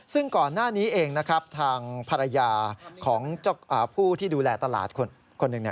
ซึ่งก่อนหน้านี้เองนะครับทางภรรยาของผู้ที่ดูแลตลาดคนหนึ่ง